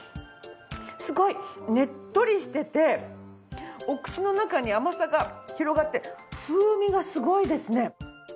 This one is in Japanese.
すごいねっとりしててお口の中に甘さが広がって風味がすごいですね。